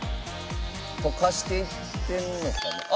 溶かしていってるのかな？